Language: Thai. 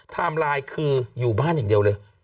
ไลน์คืออยู่บ้านอย่างเดียวเลย